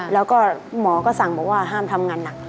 แล้วก็หมอก็สั่งบอกว่าห้ามทำงานหนัก